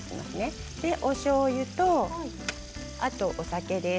そして、おしょうゆとあとお酒です。